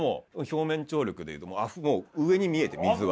表面張力でもう上に見えて水が。